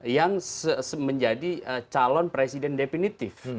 yang menjadi calon presiden definitif